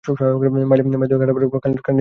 Mile দু-এক হাঁটার পর খানিকটা ক্লান্তি বোধ করলেন।